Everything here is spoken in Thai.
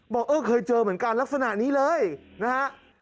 บอกเออเคยเจอเหมือนกันลักษณะนี้เลยนะฮะ